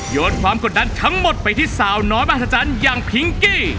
ความกดดันทั้งหมดไปที่สาวน้อยมหัศจรรย์อย่างพิงกี้